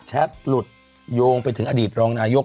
หลุดโยงไปถึงอดีตรองนายก